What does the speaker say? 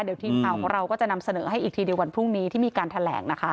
เดี๋ยวทีมข่าวของเราก็จะนำเสนอให้อีกทีวันพรุ่งนี้ที่มีการแถลงนะคะ